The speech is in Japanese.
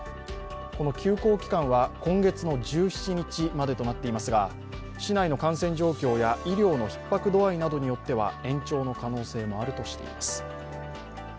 この休校期間は今月１７日までとなっていますが市内の感染状況や医療のひっ迫度合いによっては延長の可能性もあるとしています。